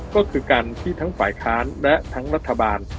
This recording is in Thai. ก็คือการที่ทั้งฝ่ายค้านและทั้งรัฐบาล